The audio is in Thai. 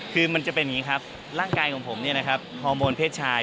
คือมันจะเป็นอย่างนี้ครับร่างกายของผมเนี่ยนะครับฮอร์โมนเพศชาย